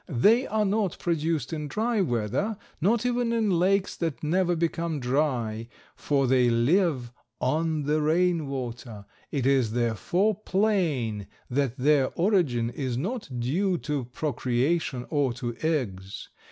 They are not produced in dry weather, not even in lakes that never become dry, for they live on the rain water. It is, therefore, plain that their origin is not due to procreation or to eggs.